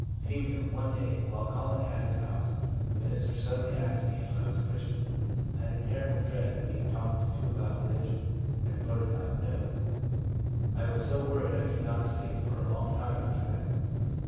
F. i One day, while calling at his house, a minister suddenly asked me if I was a Christian. I had a terrible dread of being talked to about religion, and blurted out, " No !" I was so worried I could not sleep for a long time after that.